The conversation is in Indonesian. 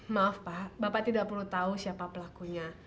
maaf pak bapak tidak perlu tahu siapa pelakunya